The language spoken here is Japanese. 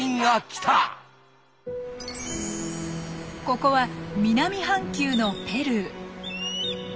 ここは南半球のペルー。